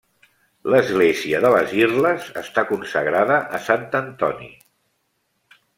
L'església de Les Irles està consagrada a Sant Antoni.